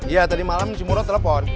iya tadi malam si murad telepon